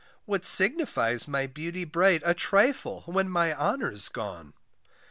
What signifies my beauty bright, A trifle, when my honour's gone.